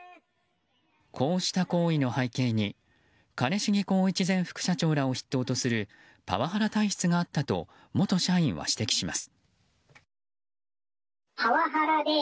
こうした行為の背景に兼重宏一前副社長らを筆頭とするパワハラ体質があったと元社員は指摘します。